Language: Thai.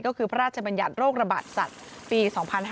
ก็คือพระราชบัญญัติโรคระบาดสัตว์ปี๒๕๕๙